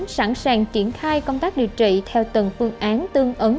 sẵn sàng triển khai công tác điều trị theo từng phương án tương ứng